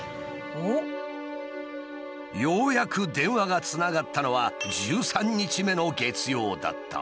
ようやく電話がつながったのは１３日目の月曜だった。